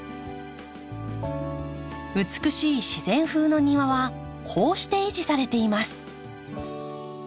美しい自然風の庭はこうして維持されています。